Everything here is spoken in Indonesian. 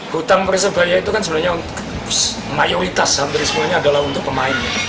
hutang persebaya itu kan sebenarnya mayoritas hampir semuanya adalah untuk pemain